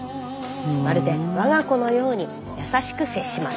まるで我が子のように優しく接します。